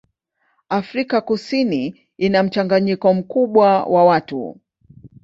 Afrika Kusini ina mchanganyiko mkubwa wa watu.